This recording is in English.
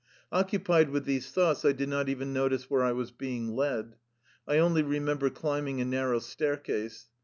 Occupied with these thoughts, I did not even notice where I was being led. I only remember climbing a narrow staircase.